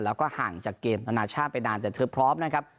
แล้วก็ห่างจากเกมอนาชาติไปนานแต่เธอพร้อมนะครับ